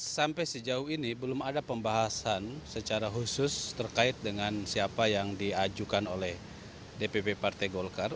sampai sejauh ini belum ada pembahasan secara khusus terkait dengan siapa yang diajukan oleh dpp partai golkar